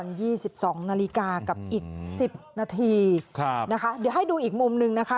นี่ตอน๒๒นาฬิกากับอีก๑๐นาทีนะคะเดี๋ยวให้ดูอีกมุมหนึ่งนะคะ